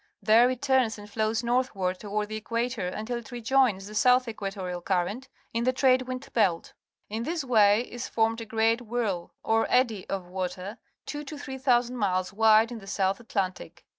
There it turns and flows j^^vXi^^ iioiithward toward the equator until it re j oins the South Equatorial Current in the trade wind be lt. In this way is formed a great whirl, or eddy, of water, two to three thou sand miles wide in the South Atlantic.